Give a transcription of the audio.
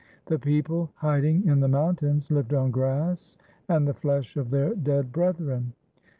The people, hiding in the mountains, lived on grass and the flesh of their dead brethren.